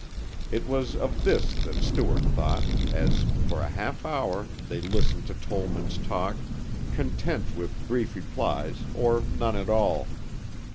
It was of this that Stuart thought, as, for a half hour, they listened to Tollman's talk, content with brief replies or none at all.